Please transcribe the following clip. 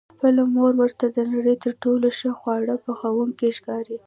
خپله مور ورته د نړۍ تر ټولو ښه خواړه پخوونکې ښکاري.